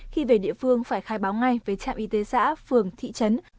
khi về địa phương phải khai báo ngay với trạm y tế xã phường thị trấn